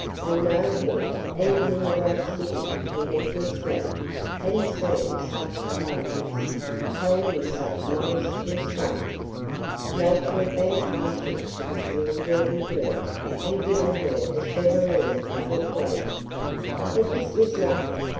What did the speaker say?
On no head, even in the great city he had just left, had he seen such abundance, held in such modest restraint. Nature had been partial to this little working girl and given her the chevelure of a queen. But this was nothing.